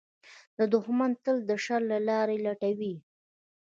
دښمن تل د شر لارې لټوي